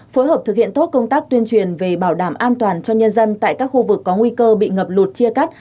phối hợp thực hiện tốt công tác tuyên truyền về bảo đảm an toàn cho nhân dân tại các khu vực có nguy cơ bị ngập lụt chia cắt